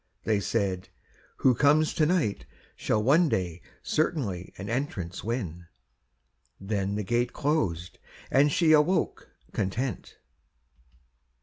They said, "Who comes to night Shall one day certainly an entrance win;" Then the gate closed and she awoke content.